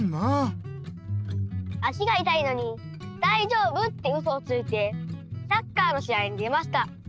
足がいたいのに「だいじょうぶ」ってウソをついてサッカーのしあいに出ました。